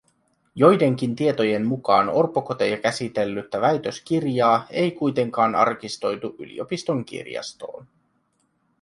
Joidenkin tietojen mukaan orpokoteja käsitellyttä väitöskirjaa ei kuitenkaan arkistoitu yliopiston kirjastoon